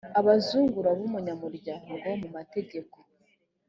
abazungura b’umunyamuryango mu mategeko